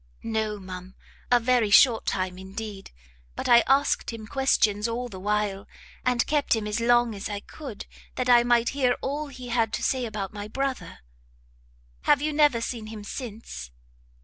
"No, ma'am, a very short time indeed; but I asked him questions all the while, and kept him as long as I could, that I might hear all he had to say about my brother." "Have you never seen him since?"